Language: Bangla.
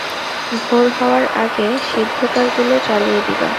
ভোর হওয়ার আগে সিদ্ধকার গুলো চালিয়ে দিবা।